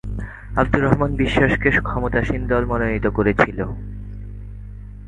আবদুর রহমান বিশ্বাসকে ক্ষমতাসীন দল মনোনীত করেছিল।